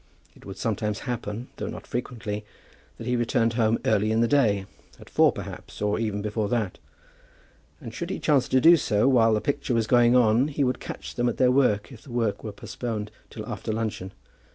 It would sometimes happen, though not frequently, that he returned home early in the day, at four perhaps, or even before that; and should he chance to do so while the picture was going on, he would catch them at their work if the work were postponed till after luncheon.